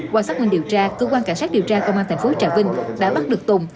qua xác minh điều tra cơ quan cảnh sát điều tra công an thành phố trà vinh đã bắt được tùng